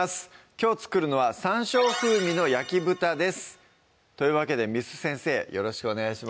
きょう作るのは「山椒風味の焼き豚」ですというわけで簾先生よろしくお願いします